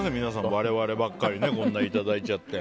我々ばっかりこんなにいただいちゃって。